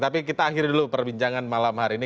tapi kita akhiri dulu perbincangan malam hari ini